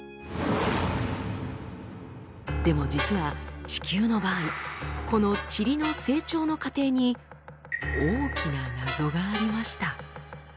でも実は地球の場合このチリの成長の過程に大きな謎がありました。